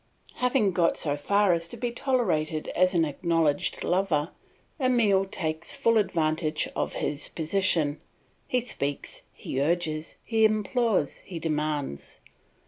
Having got so far as to be tolerated as an acknowledged lover, Emile takes full advantage of his position; he speaks, he urges, he implores, he demands.